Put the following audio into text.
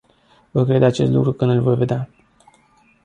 Voi crede acest lucru când îl voi vedea.